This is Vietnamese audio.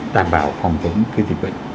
đảm bảo phòng chống cái dịch bệnh